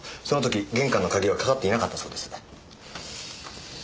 その時玄関の鍵はかかっていなかったそうです。